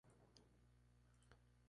Reduce mucho la movilidad.